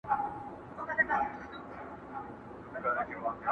ښاغلی محمد صدیق پسرلي.